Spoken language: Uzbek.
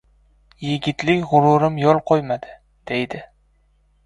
Yigitlik g‘ururim yo‘l qo‘ymadi, deydi!